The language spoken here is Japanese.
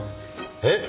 えっ？